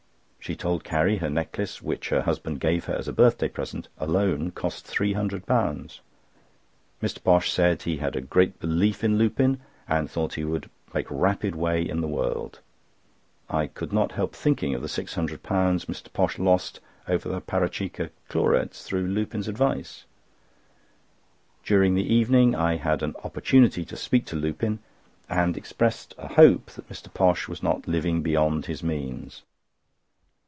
She told Carrie her necklace, which her husband gave her as a birthday present, alone cost £300. Mr. Posh said he had a great belief in Lupin, and thought he would make rapid way in the world. I could not help thinking of the £600 Mr. Posh lost over the Parachikka Chlorates through Lupin's advice. During the evening I had an opportunity to speak to Lupin, and expressed a hope that Mr. Posh was not living beyond his means.